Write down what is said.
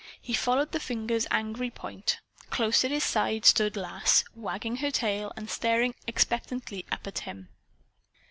He followed the finger's angry point. Close at his side stood Lass, wagging her tail and staring expectantly up at him.